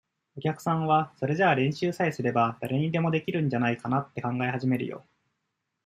お客さんは、それじゃあ練習さえすれば、誰にでも出来るんじゃないかなっ、て考え始めるよ。